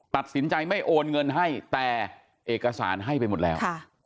ตัดสินใจไม่โอนเงินให้แต่เอกสารให้ไปหมดแล้ว